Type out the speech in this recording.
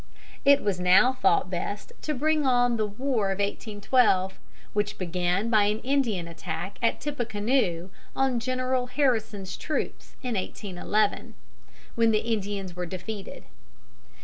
It was now thought best to bring on the war of 1812, which began by an Indian attack at Tippecanoe on General Harrison's troops in 1811, when the Indians were defeated.